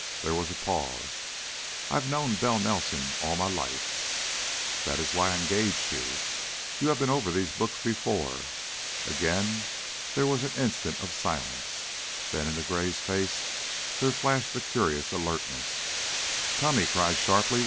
There was a pause. "I've known Bell Nelson all my life " "That is why I engaged you. You've been over these books before." Again there was an instant of silence, then into Gray's face there flashed a curious alertness. "Come!" he cried, sharply.